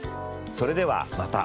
それではまた。